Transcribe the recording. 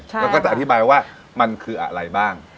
แล้วก็จะอธิบายว่ามันคืออะไรบ้าง